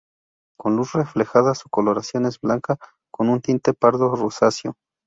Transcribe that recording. Con luz reflejada su coloración es blanca con un tinte pardo rosáceo.